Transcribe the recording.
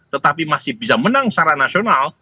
tetapi masih bisa menang secara nasional